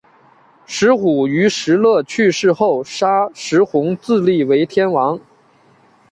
石虎于石勒去世后杀石弘自立为天王。